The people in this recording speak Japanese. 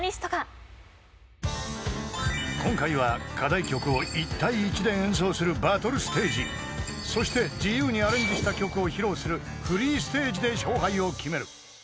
［今回は課題曲を１対１で演奏するバトルステージそして自由にアレンジした曲を披露するフリーステージで勝敗を決める］